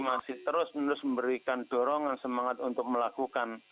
masih terus menerus memberikan dorongan semangat untuk melakukan